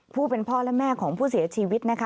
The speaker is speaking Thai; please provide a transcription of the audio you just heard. ผู้เป็นพ่อและแม่ของผู้เสียชีวิตนะคะ